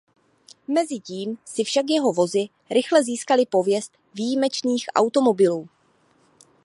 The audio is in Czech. Mezitím si však jeho vozy rychle získaly pověst výjimečných automobilů.